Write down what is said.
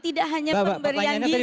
tidak hanya pemberian gizi